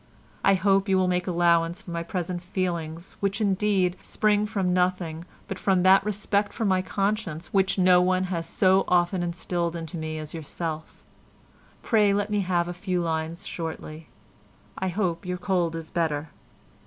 I hope you will make allowance for my present feelings which, indeed, spring from nothing but from that respect for my conscience which no one has so often instilled into me as yourself. Pray let me have a few lines shortly. I hope your cold is better.